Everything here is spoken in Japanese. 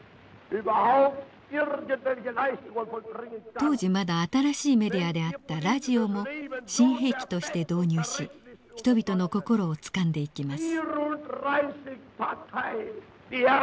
当時まだ新しいメディアであったラジオも新兵器として導入し人々の心をつかんでいきます。